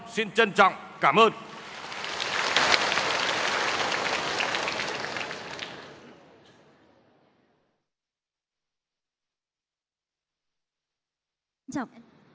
xin trân trọng cảm ơn